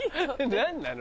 何なの？